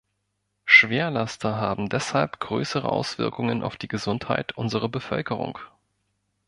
Schwerlaster haben deshalb größere Auswirkungen auf die Gesundheit unserer Bevölkerung.